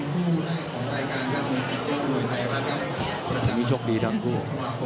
ทีนี้ชกดีทั้งคู่